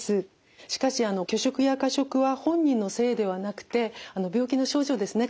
しかし拒食や過食は本人のせいではなくて病気の症状ですね